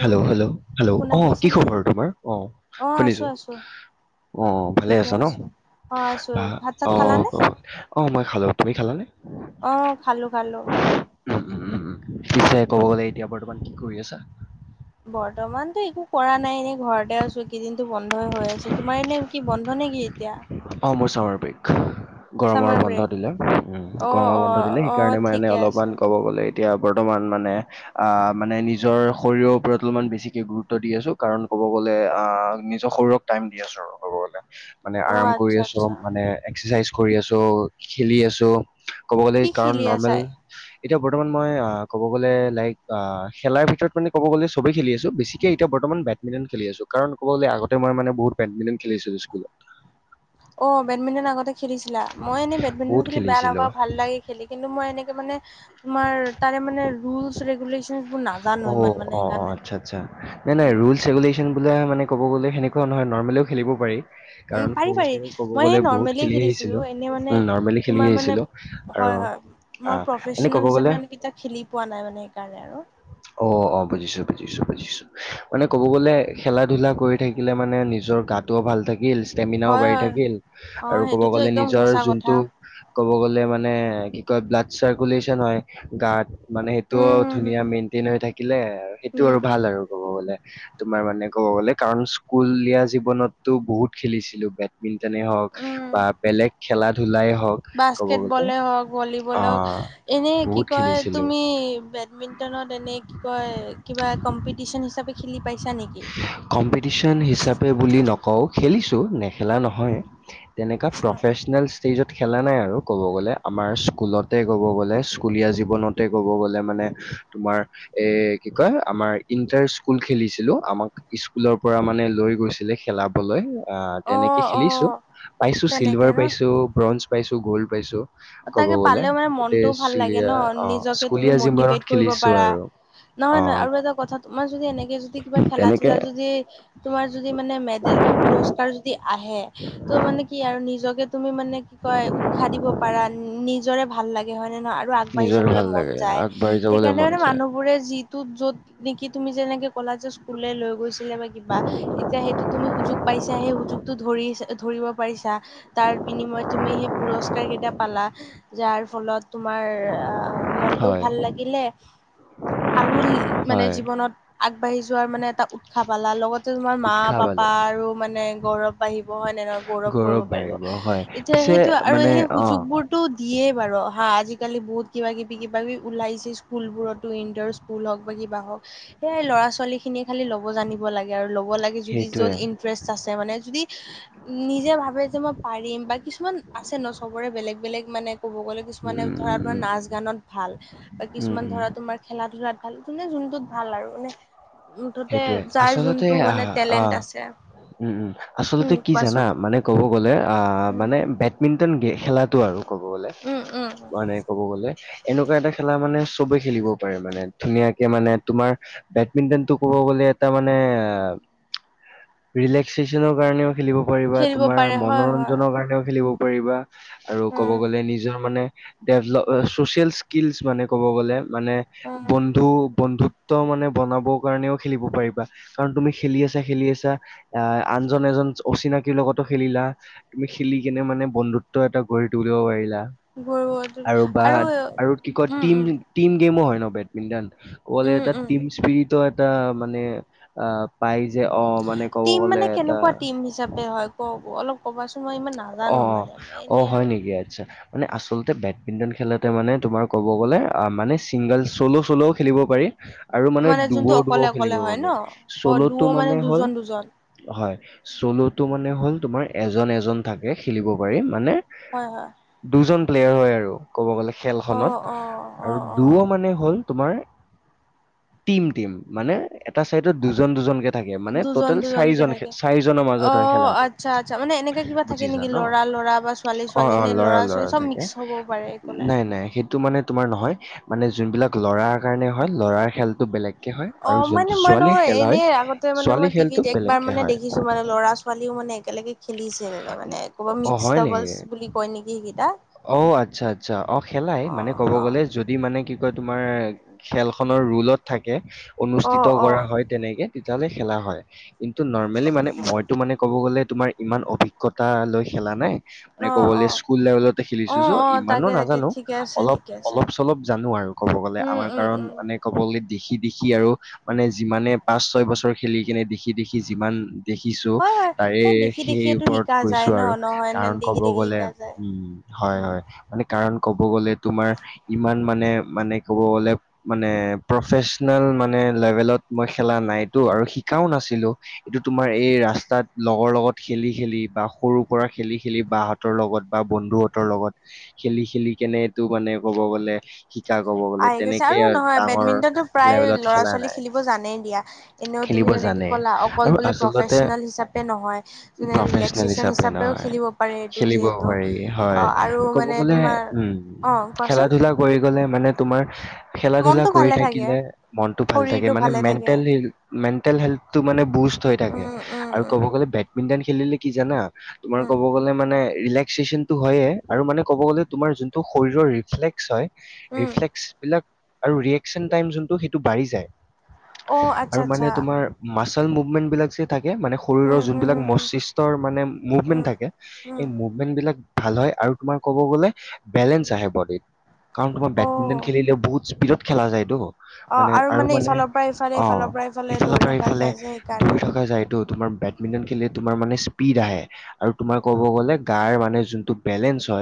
Hello hello hello শুনা অ', কি পাইছানে? খবৰ তোমাৰ, অ', আছো শুনিছোঁ। আছো অ', ভালে ঠিকে আছা ন' আছো। অ আছো ভা ভাত চাত অ', খালানে? অ'। অ, 'মই খালোঁ তুমি খালানে? অ'! খালোঁ-খালোঁ। উম, উম, উম, উম। পিছে ক'ব গলে এতিয়া বৰ্তমান কি কৰি আছা? বৰ্তমানতো একো কৰা নাই এনেই ঘৰতে আছো কিন্তু বন্ধই হৈ আছে তোমাৰ এনে কি বন্ধ নে কি এতিয়া। অ', মোৰ চামাৰ পেক, গৰমৰ চামাৰ বন্ধ ব্ৰেক দিলে উম, অ গৰমৰ অ বন্ধ দিলে, অ সেইকাৰণে মই এনেই ঠিকে অলপ অকমান আছে। ক'ব গ'লে, এতিয়া বৰ্তমান মানে আঁ মানে, নিজৰ শৰীৰৰ ওপৰত অলপমান বেছিকে গুৰুত্ব দি আছোঁ। কাৰণ ক'ব গ'লে, আঁ [unintelligible] শৰীৰক টাইম দি আছোঁ আৰু ক'ব গ'লে। মানে, অ আৰাম কৰি আচ্ছা আছোঁ। আচ্ছা মানে, এক্সাৰচাইজ কৰি আছোঁ, খেলি আছোঁ। ক'ব গ'লে কি কাৰণ খেলি নৰ্মেল আছাই? এতিয়া বৰ্তমান মই অ কব গ'লে লাইক আ খেলাৰ ভিতৰত মানে ক'ব গ'লে চবেই খেলি আছো বেছি এ এতিয়া বৰ্তমান বেডমিণ্টন খেলি আছো। কাৰণ ক'ব গ'লে আগতে মই মানে বহুত বেডমিণ্টন খেলিছিলো স্কুলত। অ' ল, বেডমিণ্টন আগতে খেলিছিলা? মই এনেই বেডমিন্টন বহুত খেলি বেয়া খেলিছিলো নাপাওঁ, ভাল লাগে। খেলি কিন্তু মই এনেকে মানে তোমাৰ তাৰে মানে ৰুলচ ৰেগুলেচ অ', অ', অ', আচ্ছা, আচ্ছা, নাই, নাই, ৰুলচ ৰেগুলেশ্যন [unintelligible] বিলাক মানে ক'ব গ'লে সেনেকুৱা নহয় নৰ্মেলো খেলিব পাৰি। উম কাৰণ পাৰি পাৰি সৰুতে ক'ব মই গ'লে সেই বহুত নৰ্মেলিয়ে খেলি আহিছিলো খেলিছিলো এনে মানে নৰ্মেলি খেলি তোমাৰ মানে আহিছিলো। আৰু হয় হয় মই অ', এনে প্ৰফেচনেল ক'ব হিচাপে গ'লে মানে কেতিয়া খেলি পোৱা নাই মানে সেইকাৰণে আৰু। অ, 'অ, 'বুজিছো বুজিছো বুজিছো। মানে ক'ব গ'লে খেলা ধূলা কৰি থাকিলে মানে নিজৰ গাটোও ভাল থাকিল। ষ্টেমিনাও হয় বাঢ়ি হয় থাকিল অ আৰু ক'ব সেইটোতো গ'লে একদম নিজৰ সঁচা কথা যোনটো ক'ব গ'লে মানে কি কয়, ব্লাড চাৰ্কুলেশ্যন হয়, গাত মানে উম সেইটোত হম ধুনীয়া হম মেইনটেইন হৈ থাকিলে আৰু সেইটো আৰু উম উম ভাল আৰু। ক'ব গ'লে, তোমাৰ মানে ক'ব গ'লে। কাৰণ, স্কুলীয়া জীৱনতো বহুত খেলিছিলোঁ, বেট [unintelligible] হওক উম বা বেলেগ খেলা ধূলাই হওক। ক'ব গ'লে বাস্কেটবলে হওঁক, অ ভলীবলে হওঁক, এনে কি বহুত কয় খেলিছিলো তুমি বেডমিণ [unintelligible] এনে কি কয় কিবা কম্পিটিশন হিচাপে খেলি পাইছা নেকি? কম্পিটিচন হিচাপে বুলি নকওঁ, খেলিছোঁ নেখেলা নহয়। এনেকা প্ৰফেচনেলচ টেজত খেলা নাই আৰু ক'ব গ'লে আমাৰ স্কুলতে ক'ব গ'লে স্কুলীয়া জীৱনতে ক'ব গ'লে মানে তোমাৰ এ কি কয়, আমাৰ ইণ্টাৰ স্কুল খেলিছিলো, আমাক স্কুলৰ পৰা মানে লৈ গৈছিলে। খেলাবলৈ আঁ অ তেনেকে অ খেলিছোঁ। পাইছোঁ, তেনেকে চিলভাৰ ন পাইছোঁ, ব্ৰঞ্জ পাইছোঁ, গ'ল্ড পাইছোঁ। ক'ব তাকে গ'লে পালেও মানে গোটেই মনটোও ভাল লাগে ন চুলিয়া অ' নিজকে স্কুলীয়া জিৱনত খেলিছো আৰু অ নহয়-নহয়। আৰু এটা কথাত, তোমাৰ যদি, এনেকে যদি, কিবা তেনেকে খেলা-ধূলা যদি, তোমাৰ যদি মানে মেডেল বা পুৰষ [unintelligible] যদি আহে, ত' মানে কি আৰু নিজকে তুমি মানে কি কয় উৎসাহ দিব পাৰা নি নিজৰে ভাল লাগে হয় নে নহয় আৰু আগবাঢ়ি নিজৰ যাবলৈ ভাল মন লাগে যায়। আগবাঢ়ি যাবলৈ সেইকাৰণে মন মানে যায় মানুহবোৰে যি ত' য'ত নেকি, তুমি যেনেকে কলেজত স্কুললে লৈ গৈছিলে বা কিবা এতিয়া সেইটো তুমি সুযোগ পাইছ তে সেই সুযোগটো ধৰি ধৰিব পাৰিছা তাৰ বিনিময়ত তুমি সেই পুৰস্কাৰ কেইটা পালা, যাৰ ফলত তোমাৰ আ মনটো হয়, ভাল লাগিলে আৰু মানে হয়। জীৱনত আগবাঢ়ি যোৱাৰ মানে এটা উৎসাহ পালা লগতে তোমাৰ মা উৎসাহ পাপা পালো, আৰু মানে গৌৰৱ বাঢ়িব হয় নে নহয়? গৌৰৱ কৰিব পাৰিব। বাঢ়িব হয়। এতিয়া পিছে সেইটো আৰু মানে সেই সু অ' পূৰ্টো দিয়ে বাৰু হা আজিকালি বহুত কিবা কিবি কিব ওলাইছে স্কুলবোৰতো কুল হওক বা কিবা হওক সয়াই ল'ৰা ছোৱালী খিনিয় খালী ল ব জানিব লাগে আৰু লগ'ব লাগে যদি য'ত সেইটোৱে। ইটাৰেষ্ট আছে মানে যদি নিজে ভাবে যে মই পাৰিম বা কিছুমান আছে ন' চব বেলেগ বেলেগ মানে ক'ব গ'লে কিছুমানে ধৰা তোমাৰ উম, নাচ-গানত ভাল। বা উম, কিছুমান উম, ধৰা তোমাৰ খেলা-ধূলাত ভাল যোনে যোনটোত ভাল আৰু মানে মুঠতে সেইটোৱে যাৰ আচলতে যোনটো আহ, মানে আহ, টেলেণ্ট আছে। উম, উম, আচলতে উম কি জানা কোৱাচোন মানে ক'ব গ'লে আহ, উম মানে বে বেডমিণ্টন খেলাটো আৰু ক'ব গ'লে উম উম মানে ক'ব গ'লে এনেকুৱা এটা খেলা মানে চবে খেলিব পাৰে মানে ধুনীয়াকে মানে তোমাৰ বেডমিণ্টনটো ক'ব গ'লে এটা মানে ৰিলেক্স চেচনৰ কাৰণেও খেলিব পাৰিবা খেলিব তুমাৰ পাৰে হয় হয় মনোৰঞ্জনৰ কাৰণেও খেলিব পাৰিবা। আৰু ক'ব উম গ'লে নিজৰ মানে ডেভলপ ছচিয়েল স্কিলচ মানে ক'ব গ'লে মানে উম বন্ধু বন্ধুত্ব মানে বনাব কাৰণেও খেলিব পাৰিবা কাৰণ তুমি খেলি আছা খেলি আছা। এ আনজন এজন অচিনাকিৰ লগতো খেলিলা। তুমি খেলি কিনে মানে বন্ধুত্ব এটা গঢ়ি তুলিব পাৰিলা। গৰু আৰু বা আৰু কি কয় উম টিম উম টিম গেমো হয় ন' বেডমিণ্টন ক'লে উম এটা উম টিম স্পৰিট এটা মানে আ পাই যে অ', মানে ক'ব টিম গ'লে মানে এটা। কেনেকুৱা টিম হিচাপে হয় ক অলপ কবাচোন মই ইমান নাজানো অ', মানে এনে আৰু। [unintelligible] মানে আচলতে বেডমিণ্টন খেলাতে মানে তোমাৰ ক'ব গ'লে অ', মানে চিংগল চ'ল' চল' খেলিব পাৰি। আৰু মানে দুৱ যোনটো দুৱ অকলে খেলিব অকলে হয় ন মানে অ চ'ল'টো দুও মানে হ'ল দুজন দুজন হয়, চ'ল'টো মানে হ'ল তোমাৰ এজন এজন থাকে খেলিব পাৰি মানে হয়, হয়। দুজন প্লেয়াৰ হয় আৰু ক'ব গ'লে অ খেলখনত অ অ আৰু অ দুয়ো মানে হ'ল তোমাৰ টিম টিম মানে এটা চাইডত দুজন দুজনকে থাকে মানে দুজন ট'টেল দুজনকে চাৰিজন থাকে চাৰিজনৰ মাজত অ হয় খেলাটো। আচ্ছা আচ্ছা মানে এনেকা কিবা থাকে বুজিছা নেকি ন'? ল'ৰা ল'ৰা বা ছোৱালী অ', ছোৱালী অ', নে ল'ৰা ছোৱালী ল'ৰা চব থাকে মিক্স হ'ব পাৰে একো নাই সেইটো মানে তোমাৰ নহয় মানে যোনবিলাক ল'ৰাৰ কাৰণে হয়, ল'ৰাৰ খেলটো বেলেগ। অ', মানে মই নহয় এনে আগতে মানে মই ছোৱালীৰ খেলটো টিভিত একবাৰ বেলেগকে মানে হয় দেখিছো মানে ল'ৰা ছ ছোৱালীও মানে একেলগে খেলিছিল মানে, কৰবা অ মিক্স হয় ডাবলছ নেকি বুলি কয় নেকি সেইকেইটা? অ', আচ্ছা আচ্ছা অ', খেলাই অ মানে ক'ব অ গ'লে যদি মানে কি কয় তোমাৰ খেলখনৰ ৰুলত থাকে অ অ অনুষ্ঠিত কৰা হয়, তেনেকে তেতিয়াহ'লে খেলা হয়। কিন্তু নৰ্মেলি মানে মইতো মানে ক'ব গ'লে তোমাৰ ইমান অভিজ্ঞতা লৈ খেলা নাই। মানে অ ক'ব অ গ'লে স্কুল লেভেলত অ খেলিছো চ' অ ইমানো তাকে তাকে নাজানো ঠিকে আছে অলপ ঠিকে আছে অলপ-চলপ জানো আৰু ক'ব গ'লে উম আমাৰ উম কাৰণ উম মানে ক'ব গ'লে দেখি দেখি আৰু মানে যিমানে পাঁচ ছয় বছৰ খেলি কিনে দেখি দেখি যিমান দেখিছো হয় হয় তাৰে দেখি সেই দেখিয়েতো ওপৰত শিকা যায় কৈছোঁ ন আৰু নহয় নে কাৰণ ক'ব দেখি দেখি গ'লে শিকা যায়। উম। হয়, হয়, মানে কাৰণ ক'ব তোমাৰ ইমান মানে মানে ক'ব গ'লে মানে প্ৰফেচনেল মানে লেভেলত মই খেলা নাইতো আৰু শিকাও নাছিলো। এইটো তোমাৰ এই ৰাস্তাত লগৰ লগত খেলি খেলি বা সৰুৰ পৰা খেলি খেলি বা হতৰ লগত বা বন্ধুহতৰ লগত খেলি খেলি কেনে এটো মানে ক'ব গ'লে শিকা ক'ব গ'লে আহি গৈছে তেনেকে আৰু নহয় ডাঙৰ বেডমিন্টনটো প্ৰায় লেভেলত ল'ৰা খেলা ছোৱালী নাই। খেলিব জানেই দিয়া। এনেও তুমি খেলিব যেনেকে জানে ক'লা অকল আৰু বোলে আচলতে প্ৰফেচনেল হিচাপে নহয়। যোনে প্ৰফেচনেল ৰিলেক্সেচন হিচাপে হিচাপেও নহয়। খেলিব পাৰে এইটো খেলিব যিহেতু পাৰি অ হয়, আৰু ক'ব মানে গ'লে তোমাৰ উম, অ কোৱাচোন খেলা-ধূলা [unintelligible] কৰি গলে মানে তোমাৰ খেলা-ধূলা মনটো কৰি ভালে থাকে থাকিলে মনটো ভালে থাকে, শৰীৰটো মানে ভালে থাকে। মেণ্টেল হেলথ মেণ্টেল হেল্থটো মানে বুষ্ট হৈ থাকে উম উম আৰু উম ক'ব গ'লে বেডমিন্টন খেলিলে কি জানা? তোমাৰ উম ক'ব গ'লে মানে ৰিলেক্সটো হয়য়ে আৰু মানে ক'ব গলে তোমাৰ যোনটো শৰীৰৰ ৰিফ্লেক্স হয় উম ৰিফ্লেক্স বিলাক আৰু ৰিয়েকচন টাইম যোনটো সেইটো বাঢ়ি যায়। অ আচ্ছা আৰু মানে আচ্ছা তোমাৰ মাচল মুভমেন্ট বিলাক যে থাকে। মানে উম শৰীৰৰ হুম যোনবিলাক হুম হুম মস্তিকৰ মানে উম মুভমেন্ট থাকে উম এই মুভমেন্ট বিলাক ভাল হয় আৰু তোমাৰ ক'ব গ'লে বেলেঞ্চ আহে বডিত। কাৰণ তোমাৰ বেডমিণ্টন অ খেলিলে বহুত স্পীডত খেলা যায়তো। অ মানে আৰু মানে ইফালৰ পৰা ইফালে অ ইফালৰ পৰা ইফালে ইফালৰ দৌৰি পৰা থকা ইফালে যায় যে সেইকাৰণে দৰি থকা যায়টো। তোমাৰ বেডমিন্টন খেলিলে তোমাৰ মানে স্পীড আহে আৰু তোমাৰ ক'ব গ'লে গাৰ মানে যোনটো বেলেঞ্চ হয়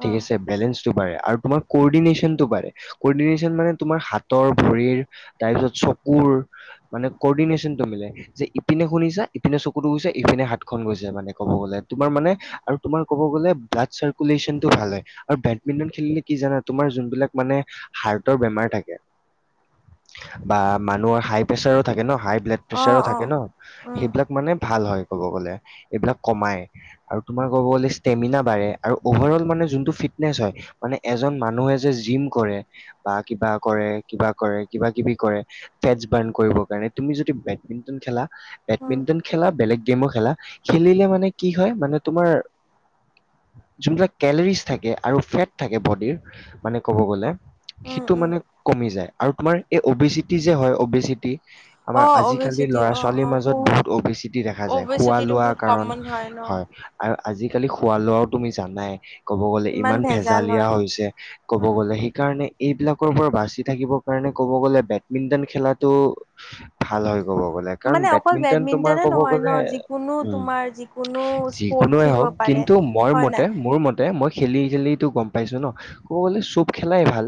ঠিক উম আছে বেলেঞ্চটো বাঢ়ে আৰু তোমাৰ কৰ্ডিনেশ্যনটো বাঢ়ে, কৰ্ডিনেশ্যন মানে তোমাৰ হাতৰ ভৰিৰ তাৰ পিছত চকুৰ, মানে কৰ্ডিনেশনটো মিলে। যে ইপিনে শুনিছা ইপিনে চকুতো গৈছে ইপিনে হাতখন গৈছে মানে ক'ব গ'লে তোমাৰ মানে আৰু তোমাৰ ক'ব গ'লে ব্লাড চাৰ্কুলেশ্যনটো ভাল হয় আৰু বেডমিন্টন খেলিলে কি জানা তোমাৰ যোনবিলাক মানে হাৰ্টৰ বেমাৰ থাকে বা মানুহৰ হাই প্ৰেছাৰো থাকে ন হাই ব্লাড অ প্ৰেচাৰো অ থাকে ন, উম সেইবিলাক মানে ভাল হয় কব গ'লে এইবিলাক কমাই। আৰু তোমাৰ ক'ব গ'লে ষ্টেমিনা বাঢ়ে আৰু অভাৰ অল মানে যোনটো ফিটনেচ হয়, মানে এজন মানুহে যে জিম কৰে বা কিবা কৰে, কিবা কৰে, কিবা কিবি কৰে ফেট বাৰ্ণ কৰিবৰ কাৰণে তুমি যদি বেডমিণ্টন খেলা উম বেডমিন্টন খেলা বেলেগ গেমো খেলা, খেলিলে মানে কি হয় মানে তোমাৰ যোনবিলাক কেলৰিজ থাকে আৰু ফেট থাকে বডিৰ মানে ক'ব গ'লে উম সেইটো উম মানে কমি যায় আৰু তোমাৰ এই অবিচিটি যে হয় অবিচিটি অ আমাৰ আজিকালি অবেচিটি অ ল'ৰা-ছোৱালীৰ অ মাজত বহুত অবিচিটি দেখা যায়, খোৱা অবেচিটিটো লোৱা বহুত কাৰণ কমন ন হয়। আৰু আজি কালি খোৱা লোৱাও তুমি জানাই ক'ব গ'লে কিমান ইমান ভেজাল ভেজালিয়া হয় হৈছে, ক'ব গ'লে সেইকাৰণে এইবিলাকৰ পৰা বাচি থাকিব কাৰণে ক'ব গ'লে বেডমিন্টন খেলাতো ভাল হয় ক'ব গ'লে। কাৰ মানে অকল বেডমিন্টন তোমাৰ বেডমিন্টনে কব নহয় গ'লে ন যিকোনো উম, তোমাৰ যিকোনো স্পৰ্ট যিকোনে খেলিব হওক পাৰে কিন্তু মোৰ হয় মতে নাই মোৰ মতে, মই খেলি গম পাইছো ন ক'ব গলে চব খেলাই ভাল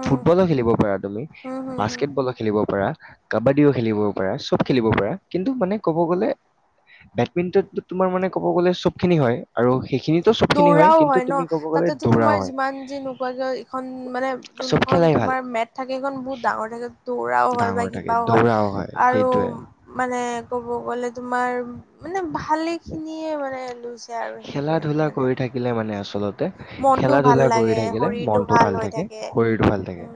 উম ফুটবলো খেলিব পাৰা তুমি, হম হম হম বাস্কেটবলো খেলিব পাৰা, কাবাডীও খেলিব পাৰা চব খেলিব পাৰা কিন্তু মানে ক'ব গ'লে বেডমিন্টন তোমাৰ মানে ক'ব গ'লে চব খিনি হয় আৰু সেইখিনিটো চব খিনি হয় দৌৰাও কিন্তু ন তুমি গ'লে তাতেতো দৌৰা তোমাৰ হয় যিমান যি নোকোৱা কিয় এইখন মানে চব তোমাৰ খেলাই ভাল জোনখন মেট থাকে বহুত ডাঙৰ থাকে ত দৌৰাও হয় বা ডাঙৰ থাকে কিবাও হয় দৌৰাও আৰু সেইটোৱে মানে কব গ'লে তোমাৰ মানে ভালে খিনিয়ে মানে লৈছে আৰু খেলা সেইটোয়ে ধূলা মানে কৰি থাকিলে মানে আচলত তে মনটো ভাল খেলা-ধূলা কৰি লাগে থাকিলে শৰীৰটো মনটো ভাল হৈ থাকে, শৰীৰটো ভাল থাকে। উম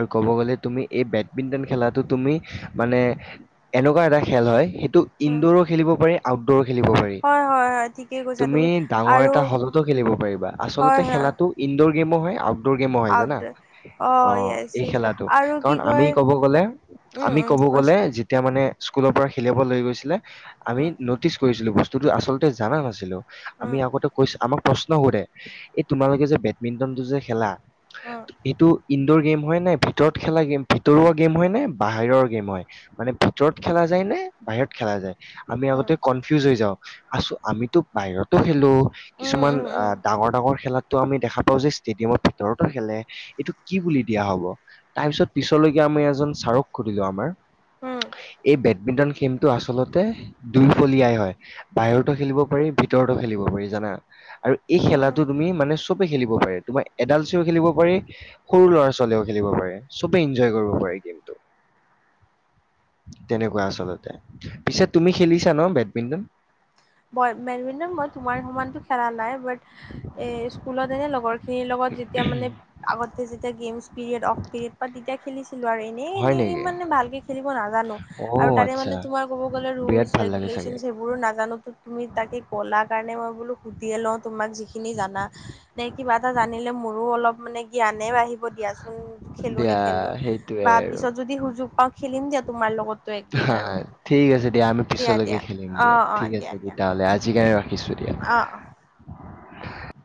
আৰু ক'ব গ'লে তুমি এই বেডমিণ্টন খেলাটো তুমি মানে এনেকুৱা এটা খেল হয়, সেইটো উম ইনডৰো খেলিব পাৰি আউটডৰো খেলিব পাৰি। হয় হয় হয় ঠিক তুমি ডাঙৰ এটা হলতো খেলিব পাৰিবা, হয় আচলতে হয় খেলাতো ইনডৰ গেমো হয় আউ তডৰ গেমো হয় আউট জানা, অ', য়েছ এই য়েছ খেলাটো, আৰু কি কাৰণ কয় আমি কব গ'লে উম আমি উম ক'ব গ'লে কোৱাচোন যেতিয়া মানে, স্কুলৰ পৰা খেলাব লৈ গৈছিলে, আমি উম নটিচ কৰিছিলোঁ বস্তুটো আচলতে জানা নাছিলো, আমি উম আগতে কৈছো, আমাক প্ৰশ্ন সোধে। এই তোমালোকে যে বেডমিণ্টন টো যে খেলা। উম এইটো ইনডোৰ গেম হয় নে, ভিতৰত খেলা গেম, ভিতৰুৱা গেম হয় নে, বাহিৰৰ গেম হয়? মানে ভিতৰত খেলা যায় নে, বাহিৰত খেলা যায়? আমি উম আগতে কনফিউজ হৈ যাও, আছো, আমিতো বাহিৰত টো খেলোঁ, উম উম কিছুমান উম ডাঙৰ-ডাঙৰ খেলাত টো, আমি দেখা পাওঁ, যে, ষ্টেডিয়ামৰ ভিতৰতো খেলে, এইটো কি বুলি দিয়া হ'ব? তাৰপিছত পিছলৈকে আমি এজন চাৰক সুধিলো, আমাৰ। উম এই বেডমিণ্টন গেমটো আচলতে দুইফলিয়াই হয়, বাহিৰত খেলিব পাৰি, ভিতৰতো খেলিব পাৰি, জানা, আৰু এই উম। খেলাটো তুমি মানে চবে খেলিব পাৰে, তোমাৰ এডালচিও খেলিব পাৰি, সৰু ল'ৰা-ছোৱালীয়েও খেলিব পাৰে, চবে এনজয় কৰিব পাৰে, গেমটো। [inaudible] তেনেকুৱা আচলতে, পিছে তুমি খেলিছা ন' বেডমিন্টন? মই বেডমিন্টন, মই তোমাৰ সমানতো খেলা নাই, বাত এ স্কুলত এনে লগৰ খিনিৰ লগত যেতিয়া মানে আগতে যেতিয়া গেমছ পেৰিয়ড অফ থাকে, তেতিয়া খেলিছিলোঁ আৰু, এনেই, হয় এনেই নেকি? মানে ভালকে খেলিব নাজানোঁ। আৰু অ' তাৰে আচ্ছা, মানে তোমাৰ ক'ব গ'লে বিৰাট ৰুলচ ভাল লাগে ৰেগুলেশ্যন চাগে। সেইবোৰো নাজানো টো। তুমি তাকে ক'লা কাৰণে মই বোলো, সুধিয়ে লওঁ, তোমাক যিখিনি জানা। নে কিবা এটা জানিলে মোৰোঁ অলপ মানে জ্ঞানে বাঢ়িব দিয়াচোন। খেলোঁ, দিয়া নেখেলোঁ সেইটোৱে বা আৰু। পিছত যদি সুযোগ পাওঁ, খেলিম দিয়া তোমাৰ লগতো একদিন আৰু। ঠিক আছে দিয়া, আমি পিছলৈকে দিয়া খেলিম অ দিয়া, অ ঠিক দিয়া আছে দিয়া তেতিয়াহ'লে, আজিকাৰনে ৰাখিছোঁ দিয়া। অ', অ'।